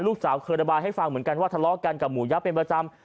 ลูกสาวเคยระบายให้ฟังเหมือนกันว่าทะเลาะกันกับหมูยะเป็นประจำ